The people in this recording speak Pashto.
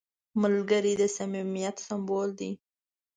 ملګری د صمیمیت سمبول دی